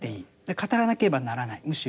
語らなければならないむしろ。